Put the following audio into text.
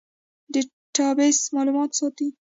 ډیټابیس معلومات ساتي